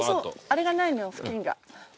あれがないのよ布巾が。